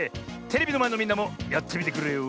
テレビのまえのみんなもやってみてくれよ。